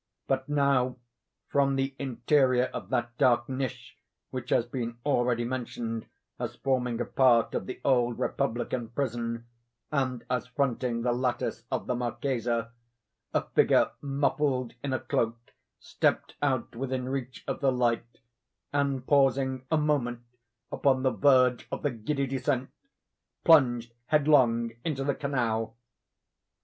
but now, from the interior of that dark niche which has been already mentioned as forming a part of the Old Republican prison, and as fronting the lattice of the Marchesa, a figure muffled in a cloak, stepped out within reach of the light, and, pausing a moment upon the verge of the giddy descent, plunged headlong into the canal.